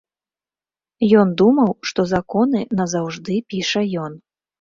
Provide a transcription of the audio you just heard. Ён думаў, што законы назаўжды піша ён.